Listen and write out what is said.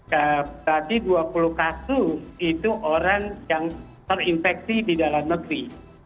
berarti dua puluh kasus itu orang yang terinfeksi di dalam negeri